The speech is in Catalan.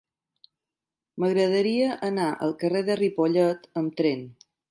M'agradaria anar al carrer de Ripollet amb tren.